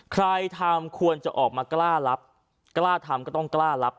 ใครทำควรจะออกมากล้ารับกล้าทำก็ต้องกล้ารับ